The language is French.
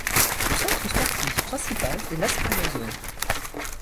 Le centre sportif principal est l'Aspire Zone.